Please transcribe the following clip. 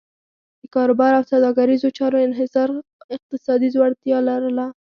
د کاروبار او سوداګریزو چارو انحصار اقتصادي ځوړتیا لرله.